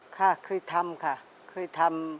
ค่ะคือทำค่ะคือทำ